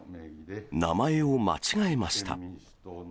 名前を間違えました。